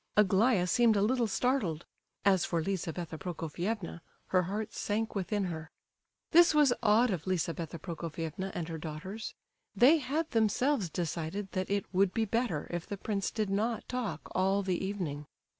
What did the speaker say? Aglaya seemed a little startled; as for Lizabetha Prokofievna, her heart sank within her. This was odd of Lizabetha Prokofievna and her daughters. They had themselves decided that it would be better if the prince did not talk all the evening.